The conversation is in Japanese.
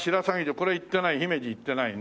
これ行ってない姫路行ってないね。